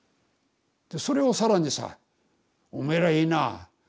でそれを更にさ「おめえらいいな。